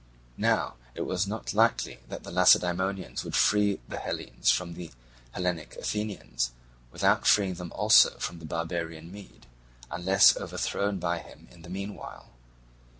Now it was not likely that the Lacedaemonians would free the Hellenes from the Hellenic Athenians, without freeing them also from the barbarian Mede, unless overthrown by him in the meanwhile.